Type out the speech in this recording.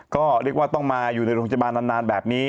ก็ต้องมาอยู่ในโรงพยาบาลนานแบบนี้